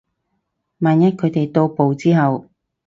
萬一佢哋到埗之後